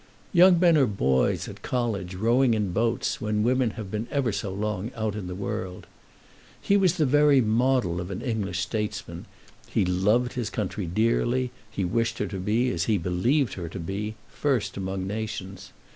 "Young men are boys at college, rowing in boats, when women have been ever so long out in the world. He was the very model of an English statesman. He loved his country dearly, and wished her to be, as he believed her to be, first among nations.